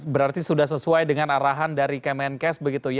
berarti sudah sesuai dengan arahan dari kemenkes